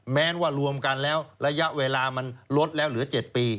แม้ว่ารวมกันแล้วระยะเวลามันลดแล้วเหลือ๗ปี